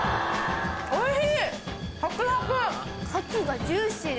おいしい！